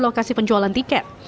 lokasi penjualan tiket